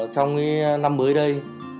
trong cái năm mới đây